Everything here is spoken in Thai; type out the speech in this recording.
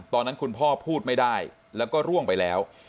ตอนนั้นคุณพ่อพูดไม่ได้แล้วก็ร่วงไปแล้ว